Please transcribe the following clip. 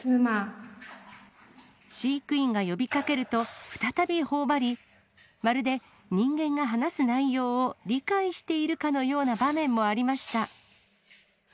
飼育員が呼びかけると、再びほおばり、まるで人間が話す内容を理解しているかのような場面もありました。